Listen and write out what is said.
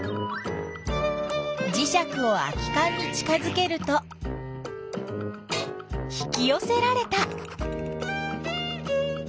じしゃくを空きかんに近づけると引きよせられた。